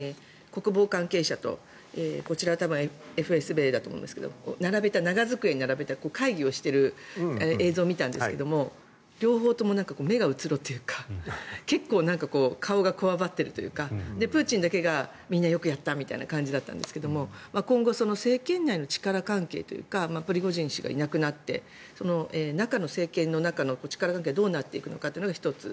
２つ聞きたいことがあるんですが昨日、プーチン大統領が自分の側近、国防関係者とこちらは多分ＦＳＢだと思うんですが長机に並べた会議をしている映像を見たんですが両方とも目がうつろというか結構顔がこわばっているというかプーチンだけがみんなよくやったという感じだったんですが今後、政権内の力関係というかプリゴジン氏がいなくなって政権の中の力関係がどうなっていくのかが１つ。